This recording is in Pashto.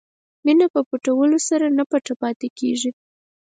مینه په پټولو سره نه پټه پاتې کېږي.